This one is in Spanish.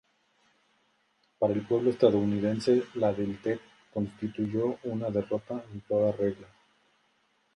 Para el pueblo estadounidense la del Tet constituyó una derrota en toda regla.